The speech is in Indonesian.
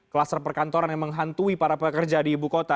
kluster perkantoran yang menghantui para pekerja di ibu kota